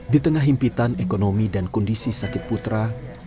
di tengah himpitan ekonomi dan kondisi sakit putra